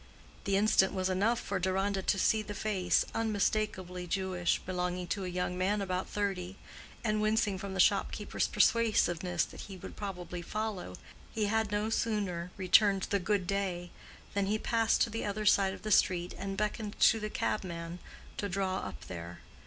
The instant was enough for Deronda to see the face, unmistakably Jewish, belonged to a young man about thirty, and wincing from the shopkeeper's persuasiveness that would probably follow, he had no sooner returned the "good day," than he passed to the other side of the street and beckoned to the cabman to draw up there.